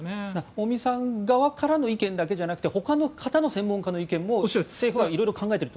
尾身さん側からの意見だけじゃなくてほかの方の専門家の意見も政府は色々と考えていると。